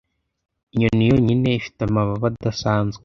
Inyoni yonyine ifite amabara adasanzwe